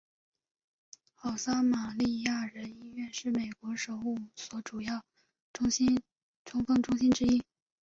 好撒玛利亚人医院是美国首五所主要中风中心之一。